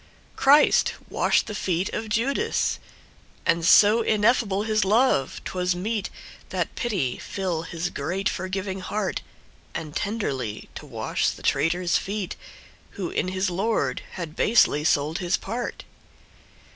Christ washed the feet of Judas! And so ineffable his love 'twas meet, That pity fill his great forgiving heart, And tenderly to wash the traitor's feet, Who in his Lord had basely sold his part.